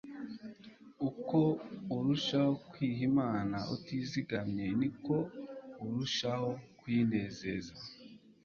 Uko unishaho kwiha Imana vtizigarirye, niko urushaho kuyinezeza.